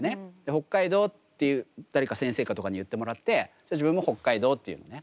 北海道って誰か先生とかに言ってもらって自分も北海道って言うのね。